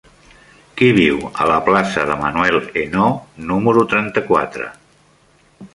Qui viu a la plaça de Manuel Ainaud número trenta-quatre?